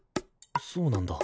そうなんだ。